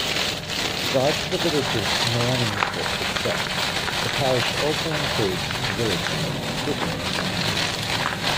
Besides the village of Morningthorpe itself, the parish also includes the village of Fritton.